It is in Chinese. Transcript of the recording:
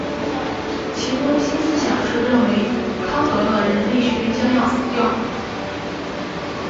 其中心思想是认为康德的人类学将要死掉。